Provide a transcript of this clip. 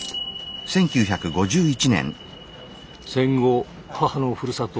戦後母のふるさと